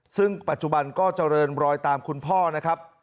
ซึ่งปัจจุบันก็เจริญรอยตามคุณพ่อนะครับ